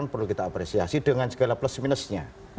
perlu kita apresiasi dengan segala plus minusnya